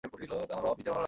আমার বাবার পিজ্জা ভাল লাগে।